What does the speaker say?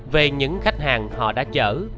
về những khách hàng họ đã chở